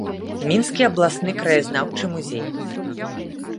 Мінскі абласны краязнаўчы музей.